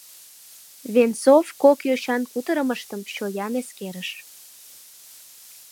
Венцов кок йочан кутырымыштым чоян эскерыш.